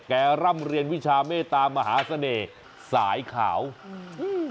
ร่ำเรียนวิชาเมตามหาเสน่ห์สายขาวอืม